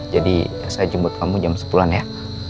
jadi saya jemput kamu jam sepuluh an ya